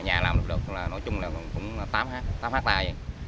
nhà làm được là nói chung là cũng tám hectare tám hectare vậy